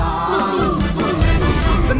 ร้องได้ให้ร้อง